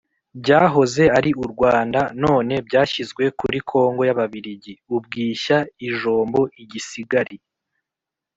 byahoze ari urwanda, none byashyizwe kuri kongo y’ababiligi: ubwishya, ijombo, igisigari,